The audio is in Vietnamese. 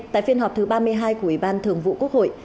tại phiên họp thứ ba mươi hai của ủy ban thường vụ quốc hội